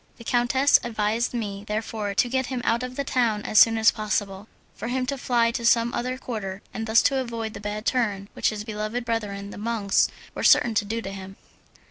The countess advised me therefore to get him out of the town as soon as possible, for him to fly to some other quarter, and thus to avoid the bad turn which his beloved brethren the monks were certain to do him.